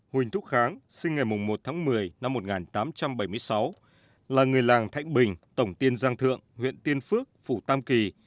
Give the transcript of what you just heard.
huỳnh thúc kháng sinh ngày một tháng một mươi năm một nghìn tám trăm bảy mươi sáu là người làng thạnh bình tổng tiên giang thượng huyện tiên phước phủ tam kỳ